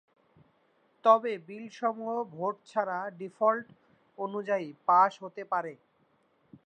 তবে বিল সমূহ ভোট ছাড়া ডিফল্ট অনুযায়ী পাস হতে পারে।